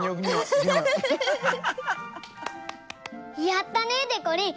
やったねでこりん！